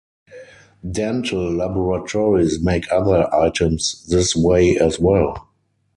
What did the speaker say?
Dental laboratories make other items this way as well.